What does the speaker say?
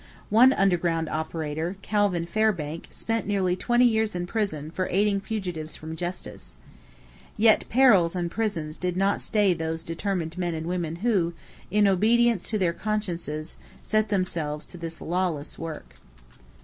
One underground operator, Calvin Fairbank, spent nearly twenty years in prison for aiding fugitives from justice. Yet perils and prisons did not stay those determined men and women who, in obedience to their consciences, set themselves to this lawless work.